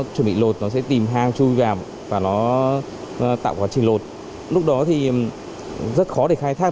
chuẩn bị lột nó sẽ tìm hang chui gà và nó tạo quá trình lột lúc đó thì rất khó để khai thác